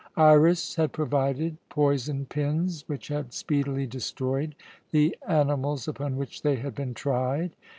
Iras had provided poisoned pins which had speedily destroyed the animals upon which they had been tried.